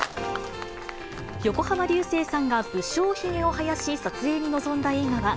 横浜流星さんが不精ひげを生やし、撮影に臨んだ映画は、Ｖｉｌｌａｇｅ。